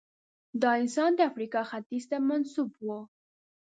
دا انسان د افریقا ختیځ ته منسوب و.